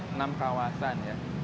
enam kawasan ya